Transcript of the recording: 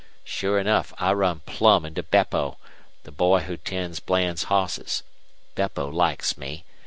Sure enough I run plumb into Beppo, the boy who tends Bland's hosses. Beppo likes me.